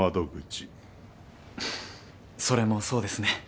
ふふっそれもそうですね。